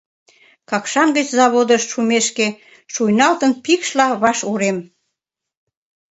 Какшан гыч заводыш шумешке, шуйналтын пикшла ваш урем.